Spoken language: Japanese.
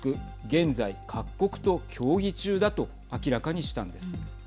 現在、各国と協議中だと明らかにしたんです。